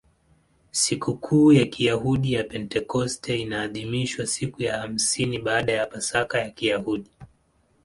Sikukuu ya Kiyahudi ya Pentekoste inaadhimishwa siku ya hamsini baada ya Pasaka ya Kiyahudi.